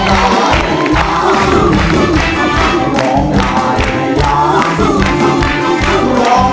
น้องน้อย